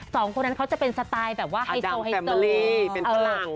สองคนนั้นเขาจะเป็นสไตล์แบบว่าอาดัมแฟมิลลี่เป็นฝรั่ง